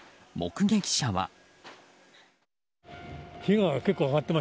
目撃者は。